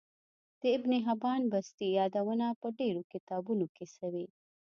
د ابن حبان بستي يادونه په ډیرو کتابونو کی سوی